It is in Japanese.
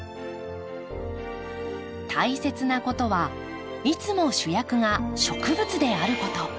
大切なことはいつも主役が植物であること。